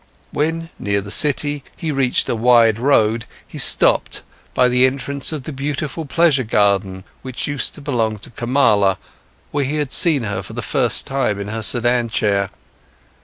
When, near the city, he reached a wide road, he stopped, by the entrance of the beautiful pleasure garden, which used to belong to Kamala, where he had seen her for the first time in her sedan chair.